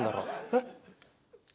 えっ？